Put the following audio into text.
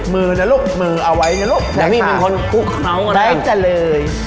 มือนะลูกมือเอาไว้นะลูกนี่มีคนคลุกข้าวกันได้จังเลย